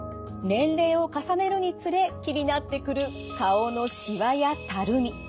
年齢を重ねるにつれ気になってくる顔のしわやたるみ。